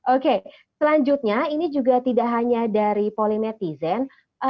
oke selanjutnya ini juga tidak hanya dari polimetizen